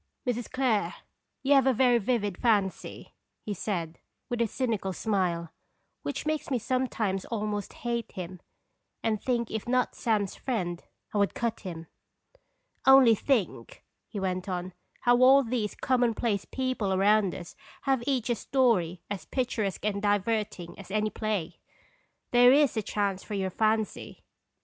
1 '" Mrs. Clare, you have a very vivid fancy," he said, with his cynical smile, which makes me sometimes almost hate him, and think if not Sam's friend I would cut him. " Only think," he went on, " how all these commonplace people around us have each a story as picturesque and diverting as any play! There is a chance for your fancy."